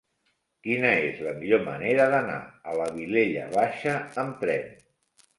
Quina és la millor manera d'anar a la Vilella Baixa amb tren?